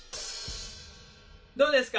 どうですか？